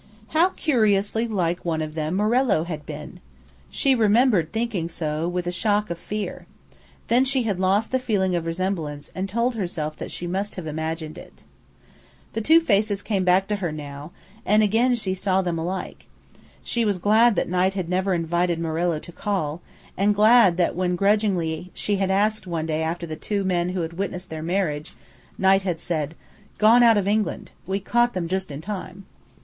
How curiously like one of them Morello had been! She remembered thinking so, with a shock of fear. Then she had lost the feeling of resemblance, and told herself that she must have imagined it. The two faces came back to her now, and again she saw them alike. She was glad that Knight had never invited Morello to call, and glad that when grudgingly she had asked one day after the two men who had witnessed their marriage, Knight had said, "Gone out of England. We just caught them in time."